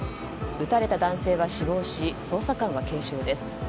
撃たれた男性は死亡し捜査官は軽傷です。